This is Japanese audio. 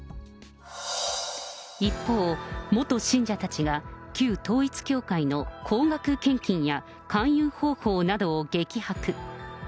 一方、元信者たちが旧統一教会の高額献金や勧誘方法などを激白。